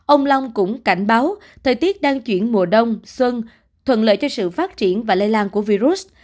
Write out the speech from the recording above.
ông long cũng cảnh báo thời tiết đang chuyển mùa đông xuân thuận lợi cho sự phát triển và lây lan của virus